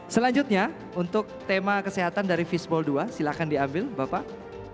selanjutnya untuk tema kesehatan dari fishball dua silahkan diambil bapak